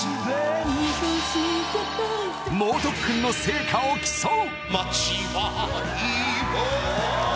猛特訓の成果を競う。